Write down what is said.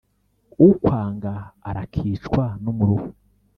ukwanga arakicwa numuruho